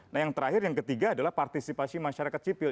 nah yang terakhir yang ketiga adalah partisipasi masyarakat sipil